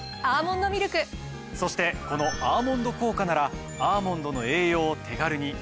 そしてこの「アーモンド効果」ならアーモンドの栄養を手軽においしく取れるんです。